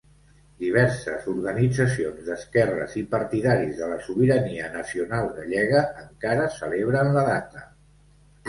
Diverses organitzacions d'esquerres i partidaris de la sobirania nacional gallega encara celebren la data.